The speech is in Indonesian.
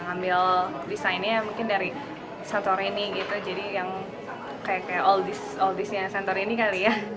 ambil desainnya mungkin dari santorini gitu jadi yang kayak kayak oldies oldiesnya santorini kali ya